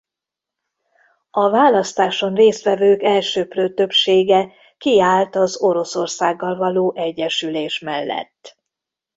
A választáson résztvevők elsöprő többsége kiállt az Oroszországgal való egyesülés mellett.